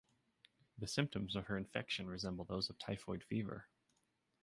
The symptoms of her infection resemble those of typhoid fever.